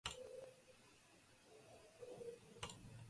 Otra obra suya, "Ballad of Heroes", está dedicada al matrimonio Slater.